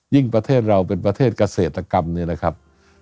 ประเทศเราเป็นประเทศเกษตรกรรมเนี่ยนะครับ